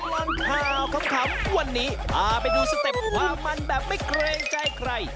วันนี้มาไปดูสเต็ปว่ามันแบบไม่เครงใจใคร